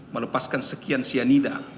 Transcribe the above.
melepaskan sekian cyanida